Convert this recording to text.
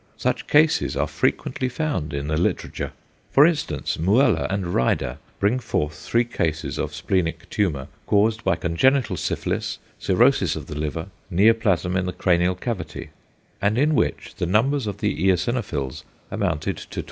Such cases are frequently found in the literature. For instance Müller and Rieder bring forward three cases of splenic tumour caused by congenital syphilis, cirrhosis of the liver, neoplasm in the cranial cavity, and in which the numbers of the eosinophils amounted to 12.